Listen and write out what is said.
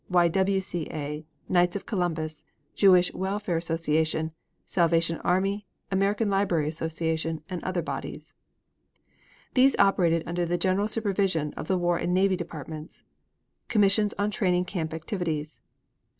Y. W. C. A., Knights of Columbus, Jewish Welfare Association, Salvation Army, American Library Association and other bodies. These operated under the general supervision of the War and Navy departments: Commissions on Training Camp Activities.